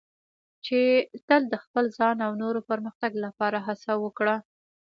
چې تل د خپل ځان او نورو پرمختګ لپاره هڅه وکړه.